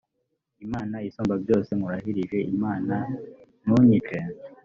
imana isumbabyose. nkurahirije imana ntunyice